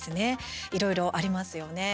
いろいろ、ありますよね。